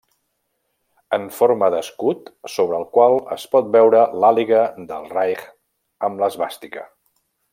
En forma d'escut, sobre el qual es pot veure l'àliga del Reich amb l'esvàstica.